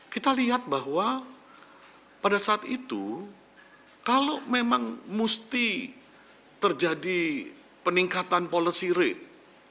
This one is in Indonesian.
kita lihat bahwa pada saat itu kalau memang mesti terjadi peningkatan policy rate